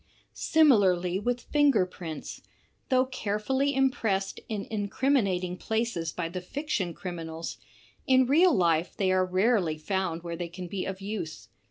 . Similarly with finger prints. Though carefully impressed in incriminating places by the fiction criminals, in real life they are rarely found where they can be of use.